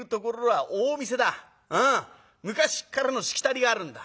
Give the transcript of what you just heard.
昔っからのしきたりがあるんだ。